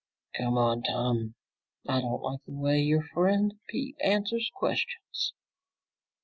"Come on, Tom. I don't like the way your friend Pete answers questions."